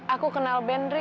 aku kenal ben ri